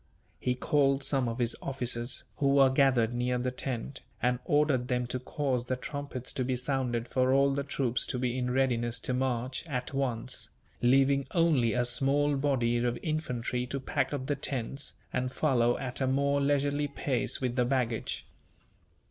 He called some of his officers, who were gathered near the tent, and ordered them to cause the trumpets to be sounded for all the troops to be in readiness to march, at once; leaving only a small body of infantry to pack up the tents, and follow at a more leisurely pace with the baggage.